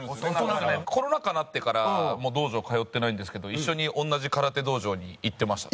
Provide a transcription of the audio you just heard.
コロナ禍になってからもう道場通ってないんですけど一緒に同じ空手道場に行ってましたね。